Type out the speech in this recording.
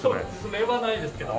それはないですけど。